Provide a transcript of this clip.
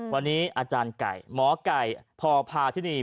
วันนี้อาจารย์ไก่หมอไก่พพาธินี